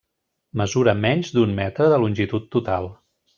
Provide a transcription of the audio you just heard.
Mesura menys d'un metre de longitud total.